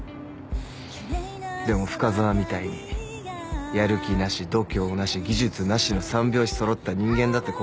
でも深澤みたいにやる気なし度胸なし技術なしの三拍子揃った人間だってこうなったんだ。